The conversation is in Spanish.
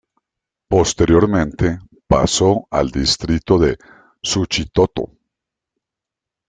Posteriormente pasó al distrito de Suchitoto.